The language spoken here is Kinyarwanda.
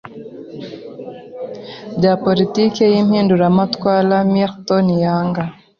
bya politiki by’impinduramatwara Milton yanga